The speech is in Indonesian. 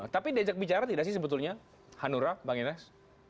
tapi diajak bicara tidak sih sebetulnya hanura bang inas